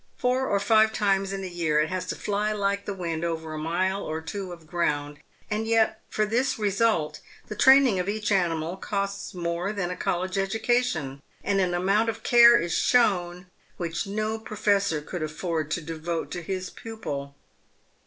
Four or five times in the year it has to fly like the wind over a mile or two of ground, and yet for this result the training of each animal costs more than a college education, and an amount of care is shown which no professor could afford to devote to his pupil.